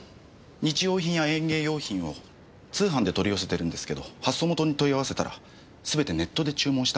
日用品や園芸用品を通販で取り寄せてるんですけど発送元に問い合わせたらすべてネットで注文したものでした。